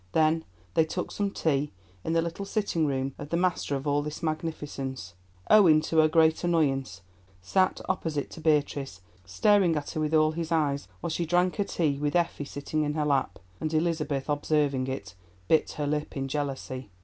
Then they took some tea in the little sitting room of the master of all this magnificence. Owen, to her great annoyance, sat opposite to Beatrice, staring at her with all his eyes while she drank her tea, with Effie sitting in her lap, and Elizabeth, observing it, bit her lip in jealousy.